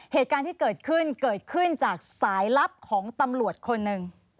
เหตุการณ์ที่เกิดขึ้นเกิดขึ้นจากสายลับของตำรวจคนหนึ่ง